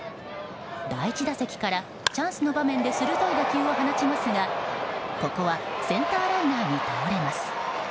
第１打席からチャンスの場面で鋭い打球を放ちますが、ここはセンターライナーに倒れます。